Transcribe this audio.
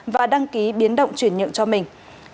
và đăng ký biến động chuyển nhượng cho mình